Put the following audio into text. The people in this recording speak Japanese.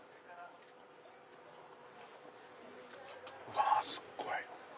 うわすっごい！